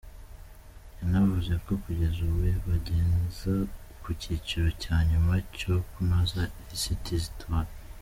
Yanavuze ko kugeza ubu bageza ku cyiciro cya nyuma cyo kunoza lisiti z’itora.